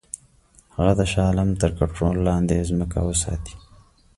هغه د شاه عالم تر کنټرول لاندي ځمکې وساتي.